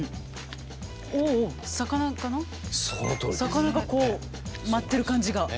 魚がこう舞ってる感じが。